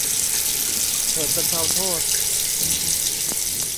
เหตุบรรเทาโทษ